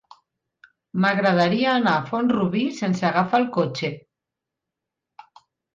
M'agradaria anar a Font-rubí sense agafar el cotxe.